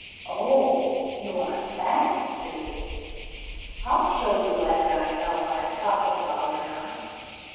"Oh! you want facts, do you? I'll soon show you whether I know what I am talking about or not.